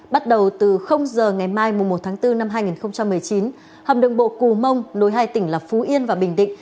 bắt đầu từ h ngày mai một bốn hai nghìn một mươi chín hầm đường bộ cù mông nối hai tỉnh là phú yên và bình định